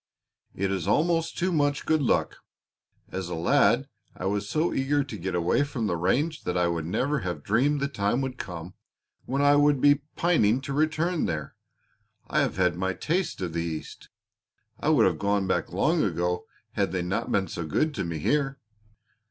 "It is almost too much good luck. As a lad I was so eager to get away from the range that I would never have dreamed the time could come when I would be pining to return there. I have had my taste of the East! I would have gone back long ago had they not been so good to me here."